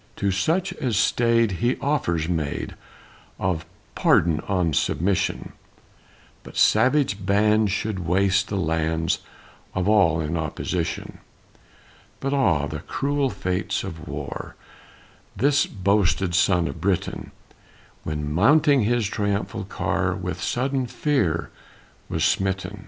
To such as stayed he offers made Of "pardon on submission; But savage bands should waste the lands Of all in opposition." But ah, the cruel fates of war! This boasted son of Britain, When mounting his triumphal car, With sudden fear was smitten.